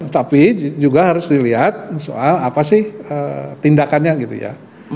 tapi juga harus dilihat soal apa sih tindakannya gitu ya